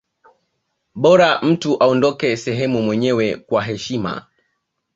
bora mtu uondoke sehemu mwenyewe kwa heshima